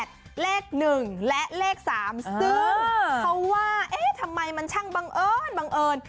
ซึ่งเขาว่าทำไมมันช่างบังเอิญบังเอิญ